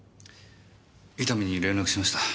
伊丹に連絡しました。